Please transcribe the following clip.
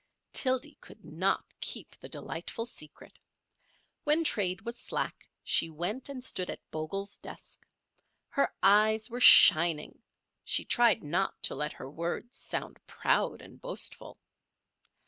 Tildy could not keep the delightful secret. When trade was slack she went and stood at Bogle's desk. Her eyes were shining; she tried not to let her words sound proud and boastful.